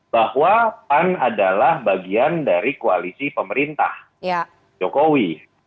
bahwa pan adalah bagian dari koalisi pemerintah jokowi